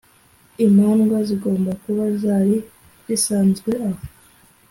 imandwa zigomba kuba zari zisanzwe aho